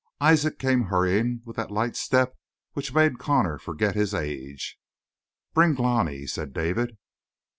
Isaac came hurrying with that light step which made Connor forget his age. "Bring Glani," said David.